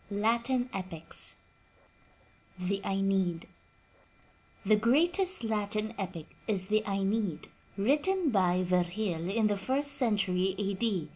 *LATIN EPICS THE AENEID The greatest Latin epic is the Aeneid, written by Vifgil in the first century A. D.